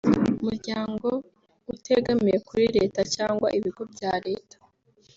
umuryango utegamiye kuri leta cyangwa ibigo bya Leta